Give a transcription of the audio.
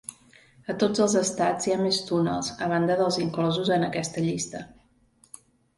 A tots els estats hi ha més túnels a banda dels inclosos en aquesta llista.